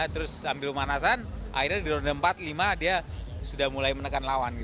terus ambil pemanasan akhirnya di ronde empat lima dia sudah mulai menekan lawan